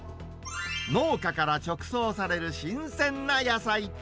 農家から直送される新鮮な野菜。